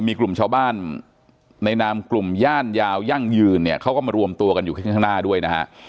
มีกลุ่มชาวบ้านในนามกลุ่มย่านยาวยั่งยืนเนี่ยเขาก็มารวมตัวกันอยู่ข้างหน้าด้วยนะฮะ